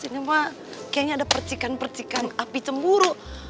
ini pak kayaknya ada percikan percikan api cemburu